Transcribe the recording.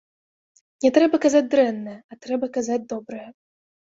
Не трэба казаць дрэннае, а трэба казаць добрае.